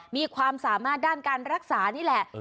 มีความสามารถด้านการรักษานี่แหละ